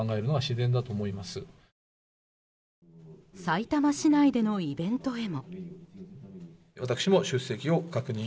さいたま市内でのイベントへも。